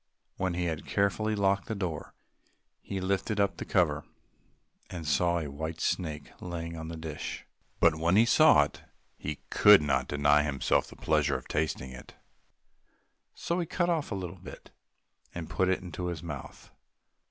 When he had carefully locked the door, he lifted up the cover, and saw a white snake lying on the dish. But when he saw it he could not deny himself the pleasure of tasting it, so he cut off a little bit and put it into his mouth.